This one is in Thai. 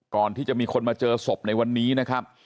ก่อนที่จะมีคนมาเจอศพในวันนี้นะครับ